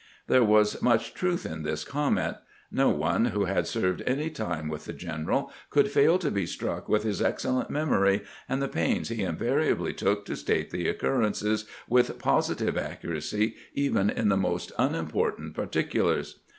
'" There was much truth in this comment. No one who had served any time with the general could fail to be struck with his excellent memory, and the pains he invariably took to state occurrences with posi tive accuracy, even in the most unimportant particulars.